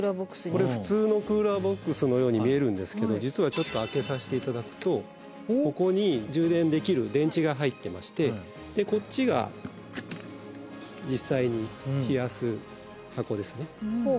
これ普通のクーラーボックスのように見えるんですけど実はちょっと開けさせて頂くとここに充電できる電池が入ってましてこっちが実際に冷やす箱ですね。